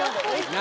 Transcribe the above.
何？